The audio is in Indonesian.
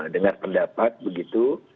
dengar pendapat begitu